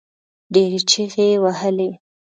ډېرې چيغې يې وهلې.